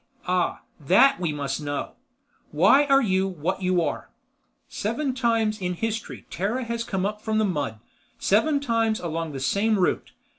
Ah, that we must know. Why are you what you are? Seven times in History Terra has come up from the mud, seven times along the same route.